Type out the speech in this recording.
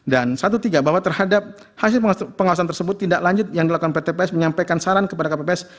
dan satu tiga bahwa terhadap hasil pengawasan tersebut tidak lanjut yang dilakukan ptps menyampaikan saran kepada ptps